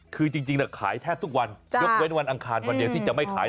คือจริงขายแทบทุกวันยกเว้นวันอังคารวันเดียวที่จะไม่ขาย